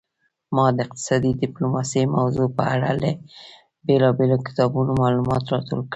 ما د اقتصادي ډیپلوماسي موضوع په اړه له بیلابیلو کتابونو معلومات راټول کړل